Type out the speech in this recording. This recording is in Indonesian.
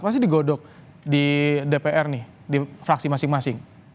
pasti digodok di dpr nih di fraksi masing masing